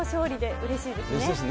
うれしいですね。